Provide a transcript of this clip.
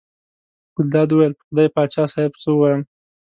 ګلداد وویل: په خدای پاچا صاحب څه ووایم.